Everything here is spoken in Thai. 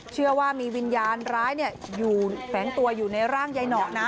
เชื่อว่ามีวิญญาณร้ายอยู่แฝงตัวอยู่ในร่างยายหนอนะ